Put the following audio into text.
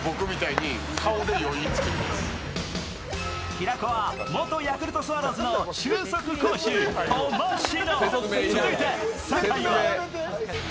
平子は、元ヤクルトスワローズの俊足好守・苫篠。